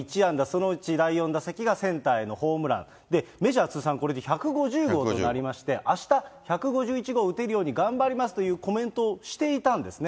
そのうち第４打席がセンターへのホームラン、メジャー通算これで１５０号となりまして、あした、１５１号打てるように頑張りますというコメントをしていたんですね。